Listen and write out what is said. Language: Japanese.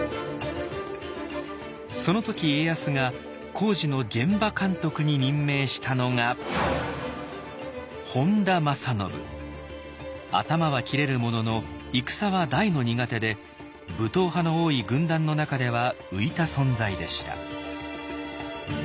その時家康が工事の現場監督に任命したのが頭は切れるものの戦は大の苦手で武闘派の多い軍団の中では浮いた存在でした。